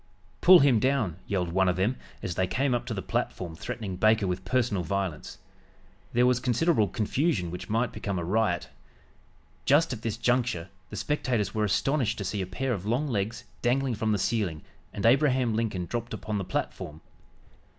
"Pull him down!" yelled one of them as they came up to the platform threatening Baker with personal violence. There was considerable confusion which might become a riot. Just at this juncture the spectators were astonished to see a pair of long legs dangling from the ceiling and Abraham Lincoln dropped upon the platform.